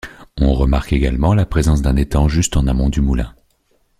On remarque également la présence d'un étang juste en amont du moulin.